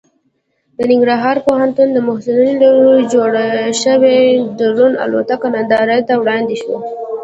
د ننګرهار پوهنتون محصلینو له لوري جوړه شوې ډرون الوتکه نندارې ته وړاندې شوه.